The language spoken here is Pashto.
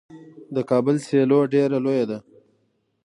د کابل سیلو ډیره لویه ده.